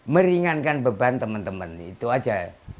meringankan beban temen temen itu aja